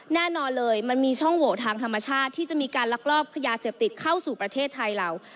แน่นอนเลยมันมีช่องโหวทางธรรมชาติที่จะมีการลักลอบยาเสพติดเข้าสู่ประเทศไทยเรา